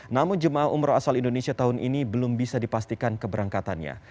namun jemaah umroh asal indonesia tahun ini belum bisa dipastikan keberangkatannya